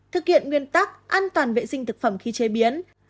thực hiện nguyên tắc an toàn vệ sinh thực phẩm khi chế biến